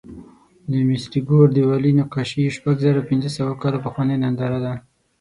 د مصري ګور دیوالي نقاشي شپږزرهپینځهسوه کاله پخوانۍ ننداره ده.